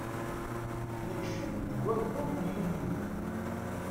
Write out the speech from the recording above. Nekcem deg waggur n yunyu.